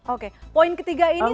oke poin ketiga ini